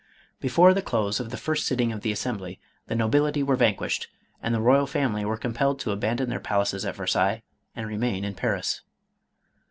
Before the close of the first sitting of the Assembly the nobility were vanquished, and the royal family were compelled to abandon their palaces at Versailles MADAME ROLAND. 499 and remain in Paris.